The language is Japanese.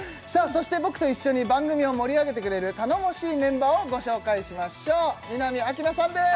そして僕と一緒に番組を盛り上げてくれる頼もしいメンバーをご紹介しましょう南明奈さんです